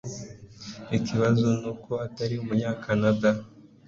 Ikibazo nuko utari umunyakanada